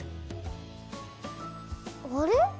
あれ？